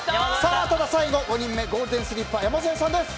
最後は５人目ゴールデンスリッパ山添さんです。